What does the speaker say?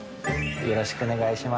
よろしくお願いします